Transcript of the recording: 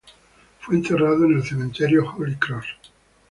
Fue enterrado en el cementerio Holy Cross.